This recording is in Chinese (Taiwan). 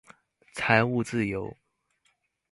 財務自由